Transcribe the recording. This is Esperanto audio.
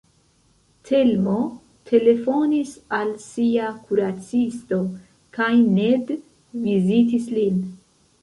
Telmo telefonis al sia kuracisto kaj Ned vizitis lin.